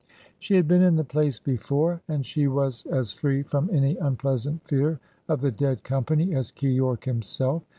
She had been in the place before, and she was as free from any unpleasant fear of the dead company as Keyork himself.